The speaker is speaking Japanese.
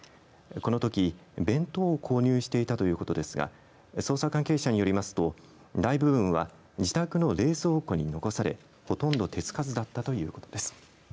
このとき、弁当を購入していたということですが捜査関係者によりますと大部分は自宅の冷蔵庫に残されほとんど手つかずだったということです。